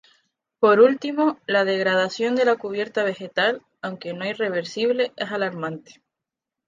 Por último, la degradación de la cubierta vegetal, aunque no irreversible, es alarmante.